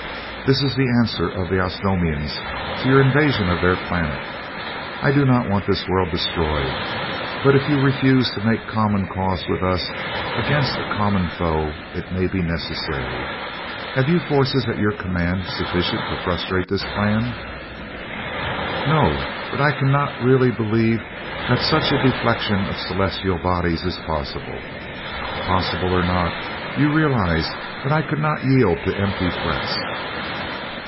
"That is the answer of the Osnomians to your invasion of their planet. I do not want this world destroyed, but if you refuse to make common cause with us against a common foe, it may be necessary. Have you forces at your command sufficient to frustrate this plan?" "No; but I cannot really believe that such a deflection of celestial bodies is possible. Possible or not, you realize that I could not yield to empty threats."